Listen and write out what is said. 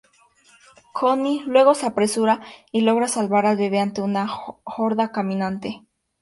Connie luego se apresura y logra salvar al bebe ante una horda caminante.